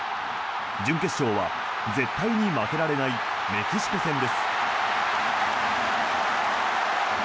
準決勝は絶対に負けられないメキシコ戦です。